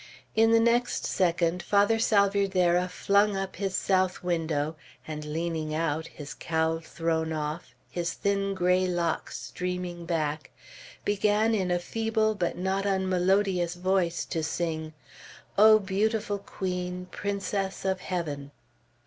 In the next second Father Salvierderra flung up his south window, and leaning out, his cowl thrown off, his thin gray locks streaming back, began in a feeble but not unmelodious voice to sing, "O beautiful Queen, Princess of Heaven."